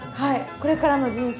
これからの人生